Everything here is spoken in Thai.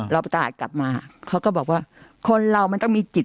เราประกาศกลับมาเขาก็บอกว่าคนเรามันต้องมีจิต